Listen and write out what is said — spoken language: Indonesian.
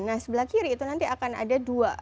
nah sebelah kiri itu nanti akan ada dua